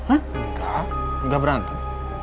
enggak enggak berantem